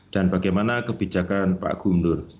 dan bagaimana kebijakan pak gubernur